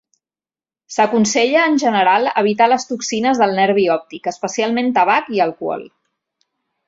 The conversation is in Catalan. S'aconsella en general evitar les toxines del nervi òptic, especialment tabac i alcohol.